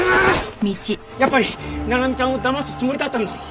やっぱり奈々美ちゃんをだますつもりだったんだろ！？